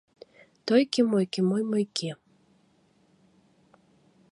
Тойки-мойки мой-мойки